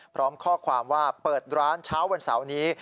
พร้อมข้อความว่าเปิดร้านเช้าวันเสาร์นี้